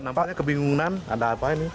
nampaknya kebingungan ada apa ini